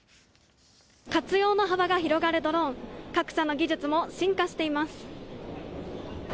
活用の幅が広がるドローン、各社の技術も進化しています。